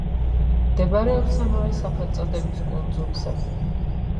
მდებარეობს ამავე სახელწოდების კუნძულზე.